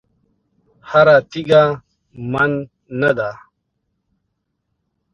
هره تېږه من نه ده.